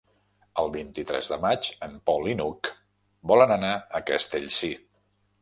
El vint-i-tres de maig en Pol i n'Hug volen anar a Castellcir.